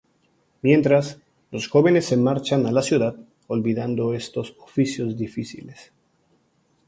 Mientras, los jóvenes se marchan a la ciudad, olvidando estos oficios difíciles.